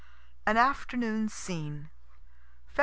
AN AFTERNOON SCENE _Feb.